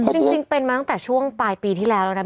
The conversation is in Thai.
จริงเป็นมาตั้งแต่ช่วงปลายปีที่แล้วแล้วนะ